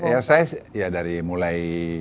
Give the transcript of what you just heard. ya saya ya dari mulai